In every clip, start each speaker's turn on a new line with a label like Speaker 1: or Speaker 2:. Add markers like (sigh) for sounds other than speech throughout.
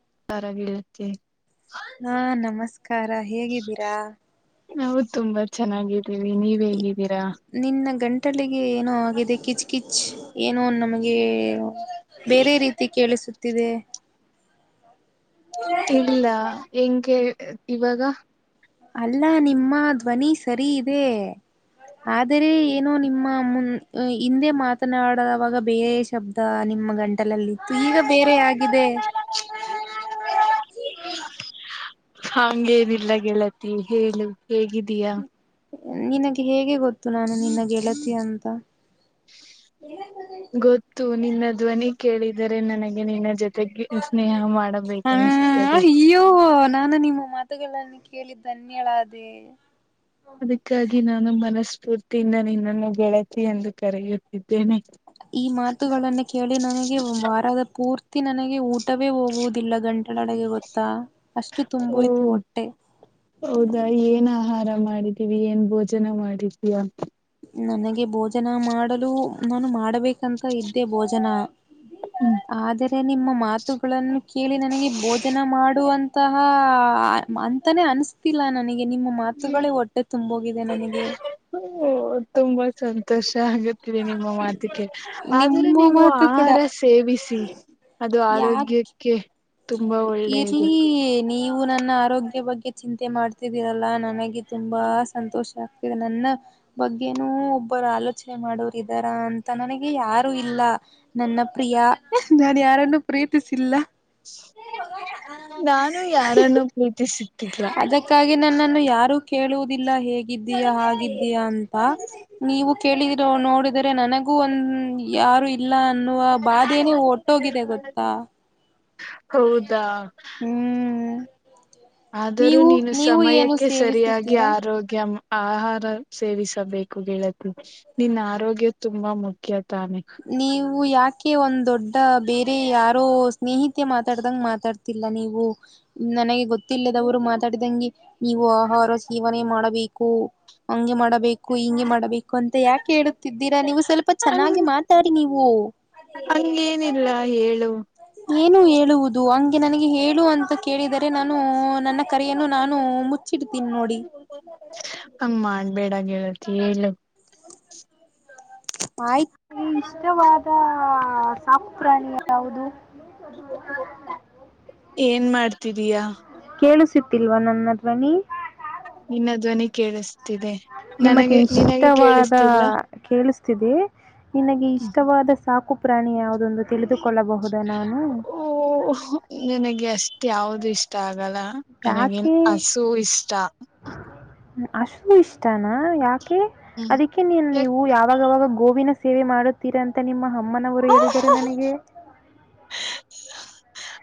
Speaker 1: (unintelligible)
Speaker 2: ಹಾ ನಮಸ್ಕಾರ ಹೇಗಿದ್ದೀರಾ
Speaker 1: ನಾವು ತುಂಬಾ ಚೆನ್ನಾಗಿದ್ದೀವಿ ನೀವ್ ಹೇಗ
Speaker 2: ನಿನ್ನ ಗಂಟಲಿಗೆ ಏನೋ ಆಗಿದೆ ಕಿಚ್ ಕಿಚ್ ಏನೋ ನಮಗೆ ಬೇರೆ ರೀತಿ ಕೇಳಿಸುತ್ತಿದೆ
Speaker 1: ಇಲ್ಲ ಹೆಂಗೆ ಇವಾಗ
Speaker 2: ಅಲ್ಲಾ ನಿಮ್ಮ ಧ್ವನಿ ಸರಿ ಇದೆ ಆದರೆ ಏನೋ ನಿಮ್ಮ ಮು ಹಿಂದೆ ಮಾತನಾಡವಾಗ ಬೇರೆ ಶಬ್ದ ನಿ ನಿಮ್ಮ ಗಂಟಲಲ್ಲಿ ಈಗ ಬೇರೆ ಆಗಿದೆ
Speaker 1: (unintelligible) ಹಂಗೇನಿಲ್ಲ ಗೆಳತಿ ಹೇಳು ಹೇಗಿದೀಯ
Speaker 2: ನಿನಗೆ ಹೇಗೆ ಗೊತ್ತು ನಾನು ನಿಿನಗೆಗೆಳತಿ ಅಂತ
Speaker 1: ಗೊತ್ತು ನಿನ್ನ ಧ್ವನಿ ಕೇಳಿದರೆ ನನಗೆ ನಿನ್ನ ಜೊತೆ
Speaker 2: ಹ ಅಯ್ಯೋ ನಾನು ನಿಮ್ಮ ಮಾತು ಕೇಳಿದ್ದನ್ಯಳಡೇ
Speaker 1: ಅದಕ್ಕಾಗಿ ನಾನು ಮನಸ್ಫೂರ್ತಿಯಿಂದ ನಿನ್ನನ್ನು ಬೆಳತಿಿ ಎಂದು ಕರೆಯುತ್ತಿದ್ದೆ
Speaker 2: ಈ ಮಾತುಗಳನ್ನ ಕೇಳಿ ನನಗೆ ವಾರದ ಪೂರ್ತಿ ನನಗೆ ಊಟ ಊಟವೇ ಹೋಗುವುದಿಲ್ಲ ಗಂಟಲೊಳಗೆ ಗೊತ್ತಾ ಅಷ್ಟು
Speaker 1: ಓ
Speaker 2: ತುಂಬೋಯ್ತು ಹೊಟ್ಟೆ
Speaker 1: ಹೌದಾ ಏನ ಮಾಡಿದೀವಿ ಏನ್ ಭೋಜನ ಮಾಡಿದೀಯಾ
Speaker 2: ನನಗೆ ಭೋಜನ ಮಾಡಲು ನಾನು ಮಾಡಬೇಕಂತ ಇದ್ದೆ ಭೋಜನ ಅದೇ ನಿಮ್ಮ ಮಾತುಗಳನ್ನು ಕೇಳಿ ನನಗೆ ಭೋಜನ ಮಾಡುವಂತಹ ಅಂತಾನೆ ಅನ್ಸ್ತಿಲ್ಲಾ ನನಗೆ ನಿಮ್ಮ
Speaker 1: ಹ್ಮ್
Speaker 2: ಮಾತುಗಳೇ ಹೊಟ್ಟೆ ತುಂಬೋಗಿದೆ ನನಗೆ
Speaker 1: ತುಂಬಾ ಸಂತೋಷ ಆಗುತ್ತಿದೆ ನಿಮ್ಮ ಮಾತಿಗೆ ಆದ್ರೆ
Speaker 2: ನಿಮ್ಮ
Speaker 1: ನೀವು
Speaker 2: ಮಾತು ಕೂಡ
Speaker 1: ಆಹಾರ ಸೇವಿಸಿ ಅದು
Speaker 2: ಯಾಕೆ
Speaker 1: ಆರೋಗ್ಯಕ್ಕೆ ತುಂಬಾ ಒಳ್ಳೆಯದು
Speaker 2: ಇರ್ಲಿ ನೀವು ನನ್ನ ಆರೋಗ್ಯ ಬಗ್ಗೆ ಚಿಂತೆ ಮಾಡ್ತಿದ್ದೀರಲ್ಲಾ ನನಗೆ ತುಂಬಾ ಸಂತೋಷ ಆಗ್ತಿದೆ ನನ್ನ ಬಗ್ಗೆನ ಒಬ್ಬರು ಆಲೋಚನೆ ಮಾಡೋರು ಇದಾರ ಅಂತ ನನಗೆ ಯಾರು ಇಲ್ಲ ನನ್ನ ಪ್ರಿಯ ಯಾರನ್ನುೂ ಪ್ರೀತಿಸಿಲ್ಲ
Speaker 1: ನಾನು ಯಾರನ್ನು
Speaker 2: (unintelligible)
Speaker 1: ಪ್ರೀತಿಸುತ್ತಿಲ್ಲ
Speaker 2: ಅದಕ್ಕಾಗಿ ನನ್ನನ್ನು ಯಾರು ಕೇಳುವುದಿಲ್ಲ ಹೇಗೆ ಹಿಂಗಿದೀಯ ಹಾಗಿದ್ದೀಯ ಅಂತ ನೀವು ಕೇಳಿದ ನೋಡಿದರೆ ನನಗೂ ಒಂದ ಯಾರು ಇಲ್ಲ ಅನ್ನುವ ಬಾಧೇನ ಒಟ್ಟೋಗಿದೆ ಗೊತ್ತಾ
Speaker 1: ಹೌದಾ
Speaker 2: ಹ್ಮ್
Speaker 1: ಆದರೂ
Speaker 2: ನೀವು
Speaker 1: ನೀನು
Speaker 2: ನೀವು ಏನು
Speaker 1: ಸಮಯಕ್ಕೆ ಸರಿಯಾಗಿ
Speaker 2: ಸೇವಿಸಿದ್ದೀರಾ
Speaker 1: ಆರೋಗ್ಯ ಆಹಾರ ಸೇವಿಸಬೇಕು ಗೆಳತಿ ನಿನ್ನ ಆರೋಗ್ಯ ತುಂಬಾ ಮುಖ್ಯ (unintelligible)
Speaker 2: ನೀವು ಯಾಕೆ ಒಂದ್ ದೊಡ್ಡ ಬೇರೆ ಯಾರೋ ಸ್ನೇಹಿತೆ ಮಾತಾಡ್ದಂಗ ಮಾತಾಡ್ತಿಲ್ಲ ನೀವು ನನಗೆ ಗೊತ್ತಿಲ್ಲದವರು ಮಾತಾಡಿದಂಗೆ ನೀವು ಆಹಾರ ಸೇವನೆ ಮಾಡಬೇಕು ಹಗೆ ಮಾಡಬೇಕು ಹಿಂಗೆ ಮಾಡಬೇಕು ಅಂತ ಯಾಕೆ ಹೇಳುತ್ತಿದ್ದೀರಾ ನೀವು ಸ್ವಲ್ಪ ಚೆನ್ನಾಗಿ ಮಾತಾಡಿ ನೀವು
Speaker 1: ಅಂಗೇನಿಲ್ಲ ಹೇಳು
Speaker 2: ಏನು ಹೇಳುವುದು ಹಂಗೆ ನನಗೆ ಹೇಳುವಂತ ಕೇಳಿದರೆ ನಾನು ನನ್ನ ಕರೆಯನ್ನು ನಾನು ಮುಚ್ಚಿಡ್ತೀನಿ ನೋಡಿ
Speaker 1: ಹಂಗ ಮಾಡಬೇಡ ಗೆಳತಿ ಹೇಳು
Speaker 2: ಆಯ್ತು ನಲ್ಲಿ ಇಷ್ಟವಾದ ಸಾಕು ಪ್ರಾಣಿ ಯಾವುದು
Speaker 1: ಏನ್ ಮಾಡ್ತಿದಿಯಾ
Speaker 2: ಕೇಳುತ್ತಿಲ್ವಾ ನನ್ನ ಧ್ವನಿ
Speaker 1: ನಿನ್ನ ಧ್ವನಿ ಕೇಳಿಸ್
Speaker 2: ನಿಮಗೆ ಇಷ್ಟವಾದ
Speaker 1: ಕೇಳಿಸ್ತಿಲ್ಲ.
Speaker 2: ಕೇಳಸ್ ತಿಸದಿಯೇ ನಿನಗೆ ಇಷ್ಟವಾದ ಸಾಕು ಪ್ರಾಣಿ ಯಾವುದು ದೆಂದು ತಿಳಿದುಕೊಳ್ಳಬಹುದ ನಾನು
Speaker 1: ಓ ಅದು ಇಷ್ಟ ಆಗಲ್ಲ ನನ್ನಗೆ
Speaker 2: ಯಾಕೆ
Speaker 1: ಹಸು ಇಷ್ಟ
Speaker 2: ಹಸು ಇಷ್ಟನಾ ಯಾಕೆ
Speaker 1: ಹ್ಮ್
Speaker 2: ಅದಕ್ಕೆ ನೀನ್
Speaker 1: ಯಾಕ್
Speaker 2: ನೀವು ಯಾವಾಗಾವಾಗ ಗೋವಿನ ಸೇವೆ ಮಾಡುತ್ತೀರಾ ಅಂತ ನಿಮ್ಮ ಅಮ್ಮನವರು ಹೇಳಿದರು ನನಗೆ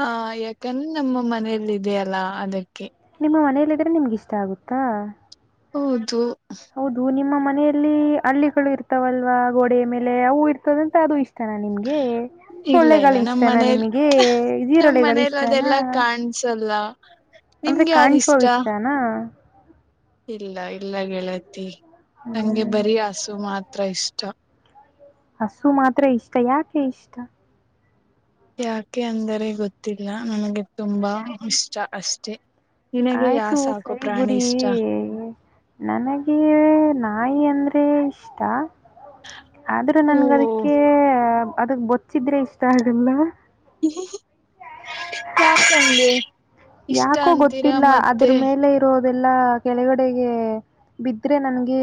Speaker 1: ಹ ಯಾಕಂದ್ರೆ ನಮ್ಮ ಮನೇೆಯಲ್ಲಿ ಇದೆಯ ಅಲ್ಲಾ ಅದಕ್ಕೆ
Speaker 2: ನಿಮ್ಮ ಮನಲ್ಲಿದ್ರೆ ನಿಮ್ಗೆ ಇಷ್ಟ ಆಗುತ್ತಾ
Speaker 1: ಹೌದು
Speaker 2: ಹೌದು ನಿಮ್ಮ ಮನೆಯಲ್ಲಿ ಹಳ್ಳಿಗಳು ಇರ್ತಾವಲ್ವಾ ಗೋಡೆಯ ಮೇಲೆ ಅವು ಇರ್ತದಂತ ಅದು ಇಷ್ಟ ಇಷ್ಟಾನ ನಿಮ್ಗೆ
Speaker 1: ಇಲ್ಲ ಇಲ್ಲ
Speaker 2: ಸೊಳ್ಳೆಗಳು
Speaker 1: ನಮ್ಮ್
Speaker 2: ಇಷ್ಟನ
Speaker 1: ಮನೇಲಿ
Speaker 2: ನಿಮ್ಗೆ ಜಿರುಳೆಗಳು ಇಷ್ಟನಾ
Speaker 1: ಇಷ್ಟಇಲ್ಲಾ
Speaker 2: ಅಂದ್ರೆ ಕಾಣ್ಸೋ ಇಷ್ಟನಾ
Speaker 1: ಇಲ್ಲ ಇಲ್ಲ ಗೆಳತಿ ನಂಗೆ
Speaker 2: ಹ್ಮ್
Speaker 1: ಬರಿ ಹಸು ಮಾತ್ರ ಇಷ್ಟ
Speaker 2: ಹಸು ಮಾತ್ರ ಇಷ್ಟ ಯಾಕೆ ಇಷ್ಟ
Speaker 1: ಯಾಕೆ ಅಂದರೆ ಗೊತ್ತಿಲ್ಲ ನನಗೆ ತುಂಬಾ ಇಷ್ಟ ಅಷ್ಟೆ ನಿನಗೆ ಯಾ
Speaker 2: ಆಯ್ತು
Speaker 1: ಸಾಕು
Speaker 2: ಸರಿ
Speaker 1: ಪ್ರಾಣಿ
Speaker 2: ಬಿಡಿ
Speaker 1: ಇಷ್ಟ
Speaker 2: ನನಗೆ ನಾಯಿ ಅಂದ್ರೆ ಇಷ್ಟ ಆದ್ರೂ
Speaker 1: ಓ
Speaker 2: ನನ್ಗ ಅದಕ್ಕೆ ಅದಕ್ ಬೊಚ್ಚಿದ್ರೆ ಇಷ್ಟ ಆಗಲ್ಲ
Speaker 1: ಯಾಕೆ ಹಂಗೆ
Speaker 2: ಯಾಕೋ ಗೊತ್ತಿಲ್ಲ ಅದ್ರ ಮೇಲೆ ಇರೋದೆಲ್ಲಾ ಕೆಳಗಡೆಗೆ ಬಿದ್ರೆ ನನ್ಗೆ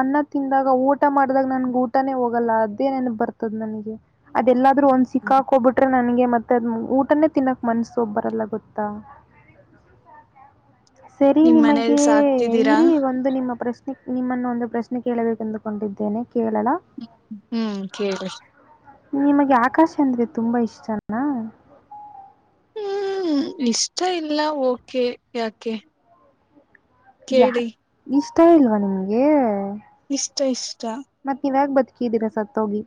Speaker 2: ಅನ್ನ ತಿಂದಾಗ ಊಟ ಮಾಡ್ದಾಗ ನನ್ಗೆ ಊಟಾನೇ ಹೋಗಲ್ಲ ಅದೇ ನೆನಪ್ ಬರ್ತ ನನಗೆ ಅದೆಲ್ಲ ಆದ್ರ ಒಂದ ಸಿಕ್ಕಾಗಿಬಿಟ್ಟರೆ ನನ್ ಮತ್ತೆದ್ ಊಟನೇ ತಿನ್ನಕ್ ಮನ್ಸ ಬರಲ್ಲ ಗೊತ್ತ ಗೊತ್ತಾ ಸರಿ
Speaker 1: ನಿಮ್ ಮನೇಲ್
Speaker 2: ನಿಮಗೆ
Speaker 1: ಸಾಕ್ತಿದ್ದೀರಾ
Speaker 2: ಇರಿ ಒಂದು ನಿಮ್ಮ ಪ್ರಶ್ನೆ ನಿಮ್ಮನ್ನು ಒಂದು ಪ್ರಶ್ನೆ ಕೇಳಬೇಕೆಂದುಕೊಂಡಿದ್ದೇನೆ ಕೇಳಲಾ?
Speaker 1: ಹ್ಮ ಹ್ಮ್ ಕೇಳಿ
Speaker 2: ನಿಮಗೆ ಆಕಾಶ ಅಂದ್ರೆ ತುಂಬಾ ಇಷ್ಟಾನ
Speaker 1: ಹ್ಮ್ ಇಷ್ಟ ಇಲ್ಲ ಓಕೆ ಯಾಕೆ
Speaker 2: ಯಾ
Speaker 1: ಕೇಳಿ
Speaker 2: ಇಷ್ಟ ಇಲ್ವಾ ನಿಮ್ಗೆ
Speaker 1: ಇಷ್ಟ ಇಷ್ಟ
Speaker 2: ಮತ್ತ್ ನೀವ್ಯಾಗ ಬದುಕಿದಿರ ಸತೊಗಿ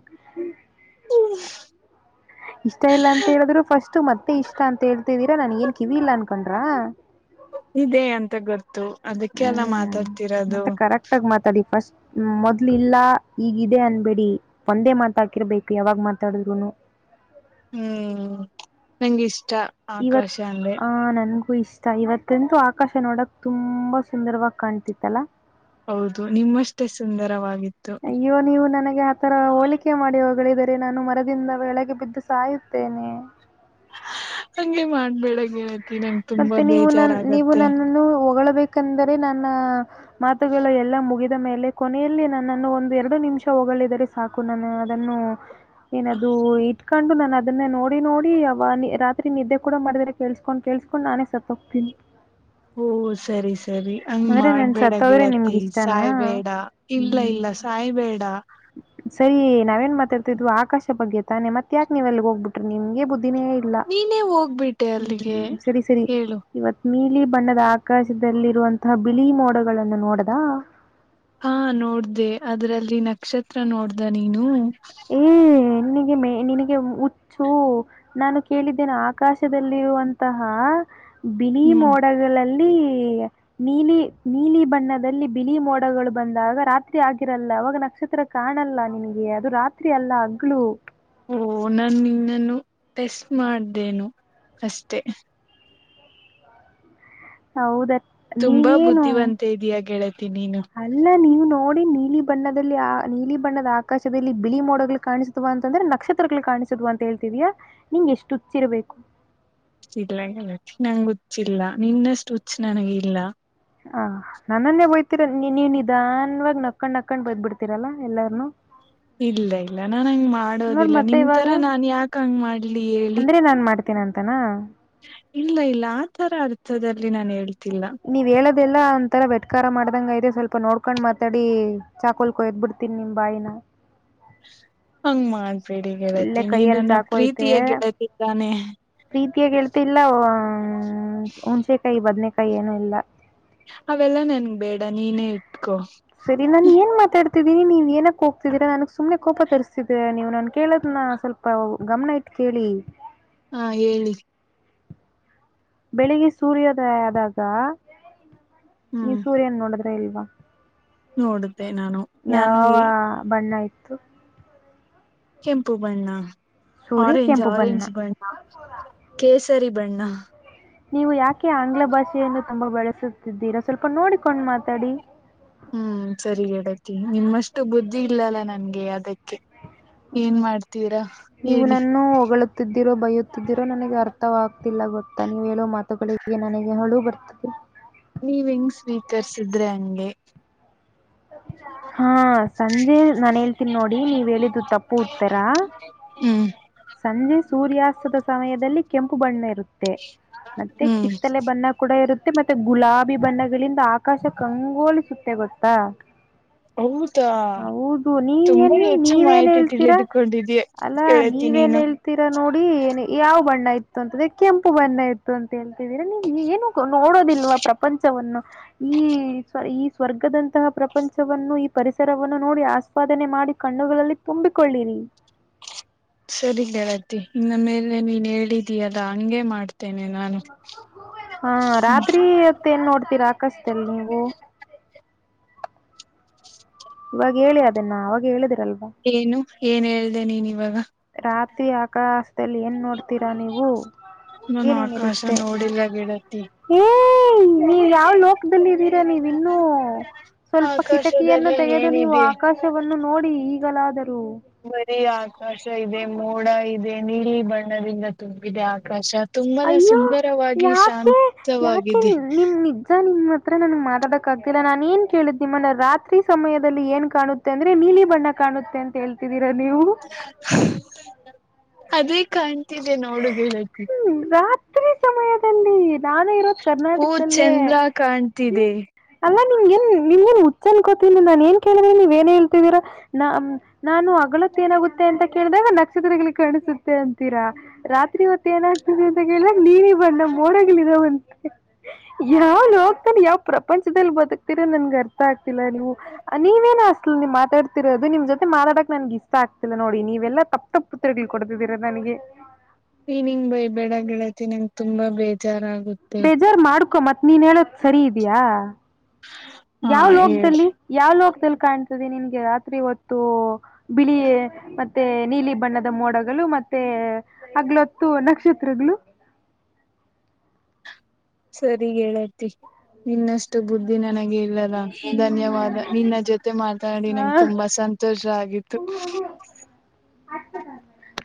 Speaker 1: (inaudible)
Speaker 2: ಇಷ್ಟ ಇಲ್ಲ ಅಂತ ಹೇಳಿದ್ರು ಫಸ್ಟ್ ಮತ್ತೆ ಇಷ್ಟ ಅಂತ ಹೇಳಿ ನಂಗೇನು ಕಿವಿ ಇಲ್ಲಾ ಅನ್ಕೊಂಡ್ರ
Speaker 1: ಇದೆ ಅಂತ ಗೊತ್ತು ಅದಕ್ಕೆಲ್ಲ
Speaker 2: ಹ್ಮ್
Speaker 1: ಮಾತಾಡ್ತಿರೋದು
Speaker 2: ಹ್ಮ ಮೊದ್ಲು ಇಲ್ಲಾ ಈಗ ಇದೆ ಅನ್ಬೇಡಿ ಒಂದೇ ಮಾತಾಕಿರ್ಬೇಕು ಯಾವಾಗ ಮಾತಾಡುದ್ರುನು
Speaker 1: ಹ್ಮ್ ನನಗೆ ಇಷ್ಟ ಆಕಾಶ
Speaker 2: ಇವತ್
Speaker 1: ಅಂದ್ರೆ
Speaker 2: ಆ ನನ್ಗೂ ಇಷ್ಟ ಇವತ್ತಂತೂ ಆಕಾಶ ನೋಡಕ್ ತುಂಬಾ ಸುಂದರವಾಗಿ ಕಾಣ್ತಿತ್ತಲ್ಲ
Speaker 1: ಹೌದು ನಿಮ್ಮಷ್ಟೇ ಸುಂದರವಾಗಿದೆ
Speaker 2: ಅಯ್ಯೋ ನೀವು ನನಗೆ ಆತರ ಹೋಲಿಕೆ ಮಾಡಿ ಗಳಿದರೆ ನಾನು ಮರದಿಂದ ಬೆಳಗೆ ಬಿದ್ದು ಸಾಯುತ್ತೇನೆ
Speaker 1: ಹಗೆ ಮಾಡ್ಬೇಡಂಗಗೆ
Speaker 2: ಮತ್ತೆ ನೀವು ನ ನೀವು ನನ್ನನ್ನು ಒಗ ಬಂದರೆ ನನ್ನ ಮಾತುಗಳು ಎಲ್ಲ ಮುಗ ಮೇಲೆ ಕೊನೆಯಲ್ಲಿ ನನ್ನನ್ನು ಒಂದು ಎರಡು ನಿಮಿಷ ಹೋಗಲಿದರೆ ಸಾಕು ನಾನ ಅದನ್ನು ಏನದು ಇಟ್ಕೊಂಡು ನ ಅದನ್ನ ನೋಡಿ ನೋಡಿ ಅವ ರಾತ್ರಿ ನಿದ್ದೆ ಕೂಡ ಮಾಡಿದ್ರೆ ಕೇಳ್ಸ್ಕೊಂಡ್ ಕೊಂಡ ನಾನೇ ಸತೋಗತೀನಿ
Speaker 1: ಓ ಸರಿ ಸರಿ ಹಂಗ
Speaker 2: ನಾನು
Speaker 1: ಮಾಡ್ಬೇಡ
Speaker 2: ಸತ್ತೋದ್ರೆ
Speaker 1: ಗೆಳತಿ
Speaker 2: ನಿಮ್ಗೆ ಇಷ್ಟನಾ?
Speaker 1: ಸಾಯ್ಬೇಡ ಇಲ್ಲ ಇಲ್ಲ
Speaker 2: ಹ್ಮ್.
Speaker 1: ಸಾಯ್ಬೇಡ
Speaker 2: ಸರಿ ನಾವೇನ್ ಮಾತಾಡ್ತಿದ್ವಿ ಆಕಾಶ ಬಗ್ಗೆ ತಾನೆ ಮತ್ತ ಯಾಕೆ ನೀವೆಲ್ಲಿ ಹೋಗ್ಬಿಟ್ರಿ ನಿಮ್ಗೆ ಬುದ ದಿನೇ ಇಲ್ಲ
Speaker 1: ನೀನೇ ಹೋಗ್ಬಿಟ್ಟೆ ಅಲ್ಲಿಗೆ
Speaker 2: ಹ್ಮ್ ಸರಿ ಸರಿ
Speaker 1: ಹೇಳು
Speaker 2: ಇವತ್ತು ನೀಲಿ ಬಣ್ಣದ ಆಕಾಶದಲ್ಲಿರುವಂತಹ ಬಿಳಿ ಮೋಡಗಳನ್ನು ನೋಡದ
Speaker 1: ಹಾ ನೋಡ್ದೆ ಅದ್ರಲ್ಲಿ ನಕ್ಷತ್ರ ನೋಡ್ದ ನೀನು
Speaker 2: ಹ್ಮ ನನ್ನಿಗೆ ಮೇ ನಿನಗೆ ಹುಚ್ಚು ನಾನು ಕೇಳಿದ್ದೇನೆ ಆಕಾಶದಲ್ಲಿರುವಂತಹ ಬಿಲಿ
Speaker 1: ಹ್ಮ್
Speaker 2: ಮೋಡಗಳಲ್ಲಿ
Speaker 1: (unintelligible)
Speaker 2: ನೀಲಿ ನೀಲಿ ಬಣ್ಣದಲ್ಲಿ ಬಿಳ ಮೋಡಗಳು ಬಂದಾಗ ರಾತ್ರಿ ಆಗಿರಲ್ಲ ಅವಾಗ ನಕ್ಷತ್ರ ಕಾಣಲ್ಲ ನಿನಗೆ ಅದು ರಾತ್ರಿ ಅಲ್ಲ ಹಗ್ಲು
Speaker 1: ಓ ನಾನು ಇನ್ನನ್ನು ಟೆಸ್ಟ್ ಮಾಡ್ದೇನು ಅಷ್ಟೆ
Speaker 2: ಹೌದ
Speaker 1: ತುಂಬಾ
Speaker 2: ನೀವೇನು
Speaker 1: ಬುದ್ಧಿವಂತ ಇದೀಯ ಗೆಳತಿ ನೀನು
Speaker 2: ಅಲ್ಲ ನೀವು ನೋಡಿ ನೀಲಿ ಬಣ್ಣದಲ್ಲಿ ನೀಲಿ ಬಣ್ಣದ ಆಕಾಶದಲ್ಲಿ ಬಿಳಿ ಮೋಡಗಳು ಕಾಣಿಸಾ ಅಂತಂದ್ರೆ ನಕ್ಷತ್ರಗಳು ಕಾಣ ಕಾಣಿಸುದು ಅಂತ ಹೇಳ್ತೀವ್ಯಾಾ ನಿಂಗ ಎಷ್ಟು ಹುಚ್ಚಿರಬೇಕು
Speaker 1: ಇಲ್ಲಲ್ಲ ನಂಗ ಹುಚ್ಚಿಲ್ಲ ನಿನ್ನಷ್ಟು ಹುಚ್ ನನಗ ಇಲ್ಲ
Speaker 2: ಹ ನನ್ನನ್ನೇ ಹೋಯ್ತೀರ ನೀವ್ ನಿಧಾನವಾಗಿ ನಕಂಡ್ ನಕಂಡ್ ಬದ್ಬಿಡ್ತೀರಲ್ಲಾ ಎಲ್ಲಾರ್ನು
Speaker 1: ಇಲ್ಲ ಇಲ್ಲ ನಾ ಹಂಗ
Speaker 2: ನೋಡ್
Speaker 1: ಮಾಡೋದಿಲ್ಲ
Speaker 2: ಮತ್ತೆ
Speaker 1: ನಿಮ
Speaker 2: ಇವಾಗ
Speaker 1: ತರ ನಾನ್ ಯಾಕ ಹಂಗ ಮಾಡ್ಲಿ ಹೇಳಿ
Speaker 2: (unintelligible) ಅಂತಾನ
Speaker 1: ಇಲ್ಲ ಇಲ್ಲ ಆ ತರ ಅರ್ಥದಲ್ಲಿ ನಾನನ್ ಹೇಳ್ತೀನಿ
Speaker 2: ನೀವ್ ಹೇಳದ ಇದೆಲ್ಲ ಒಂಂತರ ವೆಟ್ಕಾರ ಮಾಡ್ದಂಗ ಇದೆ ಸ್ವಲ್ಪ ನೋಡ್ಕೊಂಡ್ ಮಾತಾಡಿ ಚಾಕೋಲ್ಕಯ್ದ್ ಬಿಡ್ತೀಿ ನಿಮ್ ಬಾಯಿನ
Speaker 1: ಹಂಗಮ ಪೇಡಿ
Speaker 2: ಇಲ್ಲೇ
Speaker 1: ಗೆಳತೀನಿ
Speaker 2: ಕೈಯಲ್ಲಿ
Speaker 1: ನನ್ನ
Speaker 2: ಚಾಕು ಐತೆ
Speaker 1: ಪ್ರೀತಿಯ ಗೆಳತಿದ್ದಾನೆ
Speaker 2: ಮತ್ತ ಇಲ್ಲ್ಮ ಹುಣಚೆಕಾಯಿ ಬದ್ನಕಾಯಿ ಏನು ಇಲ್ಲ
Speaker 1: ಅವೆಲ್ಲ ನನ್ ಬೇಡ ನೀನೇ ಇ
Speaker 2: ಸರಿ ನನ್ ಏನ್ ಮಾತಾಡ್ತ ೀಿ ನೀ್ ಏನಕ್ ಹೋಗ್ತಿದ್ದೀರಾ ನನಗ್ ಸುಮ್ನೆ ಕೋಪ ತರಿಸತಿದ್ದೀ ನೀವು ನಾನನ್ ಕೇಳೋದ ಸ್ವಲ್ಪ ಗಮನ ಐತಿ ಕೇಳಿ.
Speaker 1: ಹಾ ಹೇಳಿ.
Speaker 2: ಬೆಳಿಗ್ಗೆ ಸೂರ್ಯೋದಯ ಆದಾಗ ನೀ ಸೂರ್ಯನ್ ನೋಡಿದ್ರ ಸೇಲ್ವಾ
Speaker 1: ನೋಡುದು
Speaker 2: ಯಾವ ಬಣ್ಣ ಇತ್ತು
Speaker 1: ಕೆಂಪು ಬಣ್ಣ
Speaker 2: ಸೂರ್ಯ
Speaker 1: ಆರೆಂಜ್
Speaker 2: ಕೆಂಪು
Speaker 1: ಆರೆಂಜ್ ಬಣ್ಣ ಕೇಸರಿ ಬಣ್ಣ
Speaker 2: ನೀವು ಯಾಕೆ ಆಂಗ್ಲ ಭಾಷೆಯನ್ನು ತುಂಬಾ ಬೆಳಸುತ್ತಿದ್ದೀರಾ ಸ್ವಲ್ಪ ನೋಡಿಕೊಂಡ್ ಮಾತಾಡಿ
Speaker 1: ಹ್ಮ್ ಸರಿಗಡತಿ ನಿಮ್ಮಷ್ಟು ಬುದ್ಧಿ ಇಲ್ಲಲ್ಲ ನನ್ಗೆ ಅದಕ್ಕೆ ಏನ್ ಮಾಡ್ತ
Speaker 2: ನೀವು ನನ್ನ ಹೊಗಳುತ್ತಿದ್ದ (unintelligible) ರೋ ಬೈಯುತ್ತಿದ್ದಿರೋ ನನಗೆ ಅರ್ಥವಾಗ್ತಿಲ್ಲ ಗೊತ್ತಾ ನೀವು ಹೇಳೋ ಮಾತುಗಳಿಗೆ ನನಗೆ ಹಳು ಬರ್ತಿದೆ.
Speaker 1: ನೀವ್ ಹೆಂಗ್ ಸ್ವೀಕರ್ಸಿದ್ರೆ ಹಂಗೆ. ಹ (inaudible)
Speaker 2: ಹಾ ಸಂಜೆ ನಾನ್ ಹೇಳ್ತೀನಿ ನೋಡಿ ನೀವ್ ಹೇಳಿದ್ದು ತಪ್ಪು ಉತ್ತರ.
Speaker 1: ಹ್ಮ್
Speaker 2: ಸಂಜೆ ಸೂರ್ಯಾಸ್ತದ ಸಮಯದಲ್ಲಿ ಕೆಂಪು ಬಣ್ಣ ಇರುತ್ತೆ. ಮತ್ತೆ
Speaker 1: ಹ್ಮ್
Speaker 2: ಕಿತ್ತಲೆ ಬಣ್ಣ ಕೂಡ ಇರು ಮತ್ತೆ ಮತ್ತೆ ಗುಲಾಬಿ ಬಣ್ಣಗಳಿಂದ ಆಕಾಶ ಕಂಗೋಲಿಸುತ್ತೆ ಗೊತ್ತಾ.
Speaker 1: ಹೌದಾ
Speaker 2: ಹೌದು ನೀನ್
Speaker 1: ತುಂಬಾ
Speaker 2: ಎನ್
Speaker 1: ಹೆಚ್ಚು
Speaker 2: ನೀವೇನ್
Speaker 1: ಮಾಹಿತಿ
Speaker 2: ಹೇಳ್ತೀರಾ
Speaker 1: ತಿಳಿದುಕೊಂಡಿದೀಯ
Speaker 2: ಅಲ್ಲಾ ನೀ
Speaker 1: ಗೆಳತಿ
Speaker 2: ನೀವೇನ್
Speaker 1: ನೀನು
Speaker 2: ಹೇಳ್ತೀರಾ ನೋಡಿ ಏ ಯಾವ್ ಬಣ್ಣ ಐ ಇತ್ತು ಅಂತ ಕೆಂಪು ಬಣ್ಣ ಇರತ್ತ ಅಂತ ಹೇಳ್ತಿದೀರ ನೀವು ಏನು ನೋಡೋದಿಲ್ವಾ ಪ್ರಪಂಚವನ್ನು. ಈ ಸ್ ಈ ಸ್ವರ್ಗದಂತಹ ಪ್ರಪಂಚವನ್ನು ಈ ಪರಿಸರವನ್ನು ನೋಡಿ ಆಸ್ವಾದನೆ ಮಾಡಿ ಕಣ್ಣುಗಳಲ್ಲಿ ತುಂಬಿಕೊಳ್ಳಿರಿ.
Speaker 1: ಸರಿ ಗೆಳತಿ ಇನ್ನ ಮೇಲೆ ನೀನ್ ಹೇಳಿದೀಯಲ್ಲಾ ಹಂಗೆ ಮಾಡ್ತೀ
Speaker 2: ಹಾ
Speaker 1: ಹ್ಮ್
Speaker 2: ರಾತ್ರಿ ಹೊತ್ತ್ ಎನ್ ನೋಡ್ತೀರಾ ಅಕಾಶ ದಲ್ ನೀವು. ಇವಾಗ ಹೇಳಿ ಅದನ್ನ ಅವಾಗ ಹೇಳಿದಿರಲ್ವಾ.
Speaker 1: ಏನು ಏನ್ ಹೇಳ್ದೆ ನೀನ್ ಇವಾಗ.
Speaker 2: ರಾತ್ರಿ ಆಕಾಶ್ (unintelligible) ಏನ್ ನೋಡ್ತೀರಾ ನೀವು
Speaker 1: ನಾನು ಆಕಾಶ
Speaker 2: ಏನೇನಿರುತ್ತೆ.
Speaker 1: ನೋಡಿಲ್ಲ ಗೆಳತಿ.
Speaker 2: ನೀವ್ ಯಾವ್ ಲೋಕದಲ್ಲಿ ಇದ್ದೀರಾ ನೀವ್ ಇನ್ನುೂ. ಸ್ವಲ್ಪ ಕಿಟಕಿಯನ್ನು
Speaker 1: ಆಕಾಶದಲ್ಲಿ
Speaker 2: ತೆಗೆದು ನೀವು
Speaker 1: ಏನಿದೆ?
Speaker 2: ಆಕಾಶವನ್ನು ನೋಡಿ ಈಗಲಾದ
Speaker 1: ಬರೆ ಆಕಾಶ ಇದೆ ಮೋಡ ಇದೆ ನೀಲಿ ಬಣ್ಣದಿಂದ ತುಂಬಿದೆ ಆಕಾಶ. ತುಂಬಾನೇ
Speaker 2: ಅಯ್ಯೋ
Speaker 1: ಸುಂದರವಾಗಿ
Speaker 2: ಯಾಕೆ ಯಾಕೆ
Speaker 1: ಶಾಂತವಾಗಿದೆ.
Speaker 2: ನಿಮ್ ನಿಜಜ (unintelligible) ನಿಮ್ಮ (unintelligible) ನಿಮ್ ಹತ್ರ ಮಾತಾಡೋಕ್ಕಾಗ್ತಿಲ್ಲ ನಾನ್ ಏನ್ ಕೇಳಿದ್ ನಿಮ್ಮನ್ನ ರಾತ್ರಿ ಸಮಯದಲ್ಲಿ ಏನ್ ಕಾಣುತ್ತೆ ಅಂದ್ರೆ ನೀಲಿ ಬಣ್ಣ ಕಾಣುತ್ತೆ ಅಂತ ಹೇಳ್ತಿ
Speaker 1: ಅದೇ ಕಾಣ್ತಿದೆ ನೋಡುಬೆ
Speaker 2: ಹ್ಮ್ ರಾತ್ರಿ ಸಮಯದಲ್ಲಿ. ನಾನು ಇರೋದು
Speaker 1: ಓ
Speaker 2: ಕರ್ನಾಟಕದಲ್ಲೆ
Speaker 1: ಚಂದ್ರ
Speaker 2: ಹ್ಮ
Speaker 1: ಕಾಣ್ತಿದೆ.
Speaker 2: ಅ (unintelligible) ನಿಮ್ಗೇನ್ ನಿಮಗ್ನ್ ಹುಚ್ಚ ಅನ್ಕೋತಿನಿ ನಾನ್ ಏನ್ ಕೇಳಿದ್ರೆ ನೀವ್ ಏನ ಹೇಳ್ತಿದೀರಾ ನ ನಾನು ಹಗಲೊತ್ತು (unintelligible) ಏನಾಗುತ್ತೆ ಅಂತ ಕೇಳಿದಾಗ ನಕ್ಷತ್ರಗಳು ಕಾಣಸುತ್ತೆ ಅಂತೀರಾ ರಾತ್ರಿ ಹೊ ಮತ್ತೆ ಏನಾಗ್ತಿದೆ ಅಂತ ಕೇಳ್ದಾಗ ನೀಲಿ ಬಣ್ಣ ಮೋಡಗಳ್ ಇದವಂತೆ ಯಾವ್ ಲೋಕ್ದಲ್ ಯಾವ್ ಪ್ರಪಂಚದಲ್ಲಿ ಬದುಕ್ತಿರ ನನ್ಗ ಅರ್ಥ ಆಗ್ತ (unintelligible) ನೀವೇನ ನೀವು ಮಾತಾಡ್ತಿರೋದು ನಿಮ್ ಜೊತೆ ಮಾತಾಡಕ್ ನನ್ಗೆ ಇಷ್ಟ ಆಗ್ತಿಲ್ಲ ನೋಡಿ ನೀವೆಲ್ಲ ತಪ್ಪ ತಪ್ಪು ಉತ್ತರ ಕೊಡ್ತಿದ್ದೀರ ನನಗೆ. ಹಾಗಗೆ (inaudible)
Speaker 1: ನೀನಿಂಗ್ ಬೈ ಬೆಡ ಗಳತಿ ನಂಗ್ ತುಂಬಾ ಬೇಜಾರಾ
Speaker 2: ಬೇಜಾರ್ ಮಾಡ್ಕೊ ಮತ್ತ್ ನೀನ್ ಹೇಳೊದ್ ಸರಿ ಇದ್ಯಾ.
Speaker 1: ಹಾ
Speaker 2: ಯಾವ
Speaker 1: ಹೇಳು
Speaker 2: ಲೋಕದಲ್ಲಿ ಯಾವ್ ಲೋಕದಲ್ಲಿ ಕಾಣ್ ನಿನ್ಗೆ ರಾತ್ರಿ ಹೊತ್ತು ಬಿಳಿ ಮತ್ತೆ ನೀಲಿ ಬಣ್ಣದ ಮೋಡಗಳು ಮತ್ತೆ. ಹಗ್ಲೊತ್ತು ನಕ್ಷತ್ರಗಳು.
Speaker 1: (inaudible) ಸರಿ ಹೇಳತಿ ಇನ್ನಷ್ಟು ಬುದ್ದಿನ ನನಗೆ ಇಲ್ಲಲ್ಲ ಧನ್ಯವಾದ ನಿನ್ನ ಜೊತೆ ಮಾತಾಡಿ ನಂಗೆ
Speaker 2: ಹ
Speaker 1: ತುಂಬಾ ಸಂತೋಷ ಆಗಿತ್ತು. ಹ (inaudible)
Speaker 2: ಅತ ಸ (unintelligible)